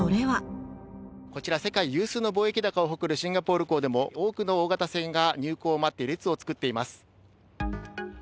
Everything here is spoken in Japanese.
こちら、世界有数の貿易高を誇るシンガポール港でも、多くの大型船が入港を待って列を作っています。